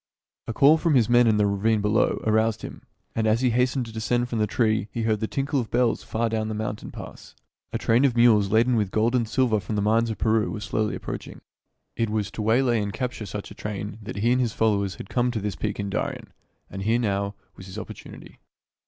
A call from his men in the ravine below aroused him ; and as he hastened to descend from the tree he heard the tinkle of bells far down the mountain pass. A train of mules laden with gold and silver from the mines of Peru was slowly approaching. It was to waylay and capture such a train that he and his followers had come to this peak in Darien ; and here, now, was his opportunity.